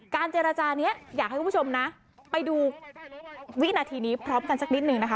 เจรจานี้อยากให้คุณผู้ชมนะไปดูวินาทีนี้พร้อมกันสักนิดนึงนะคะ